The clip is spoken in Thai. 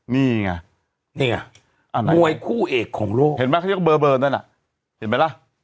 นี่ไงนี่ไงมวยคู่เอกของโลกเห็นไหมเขาเรียกว่าเบอร์นั่นน่ะเห็นไหมล่ะ